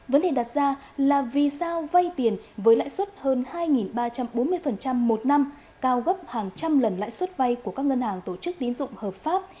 vấn đề đặt ra là vì sao vay tiền với lãi suất hơn hai ba trăm bốn mươi một năm cao gấp hàng trăm lần lãi suất vay của các ngân hàng tổ chức tín dụng hợp pháp